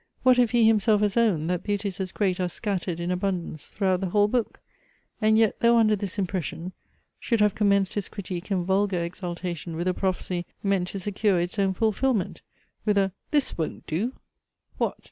What if he himself has owned, that beauties as great are scattered in abundance throughout the whole book? And yet, though under this impression, should have commenced his critique in vulgar exultation with a prophecy meant to secure its own fulfilment? With a "This won't do!" What?